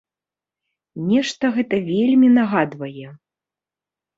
Нешта гэта вельмі нагадвае.